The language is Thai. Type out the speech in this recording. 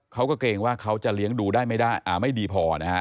เขาก็เกรงว่าเขาจะเลี้ยงดูได้ไม่ได้อ่าไม่ดีพอนะฮะ